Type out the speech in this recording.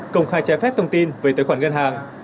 công khai trái phép thông tin về tài khoản ngân hàng